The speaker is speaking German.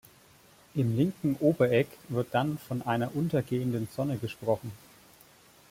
Im linken Obereck wird dann von einer "untergehenden" Sonne gesprochen.